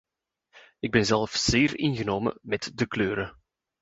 Ik ben zelf zeer ingenomen met de kleuren.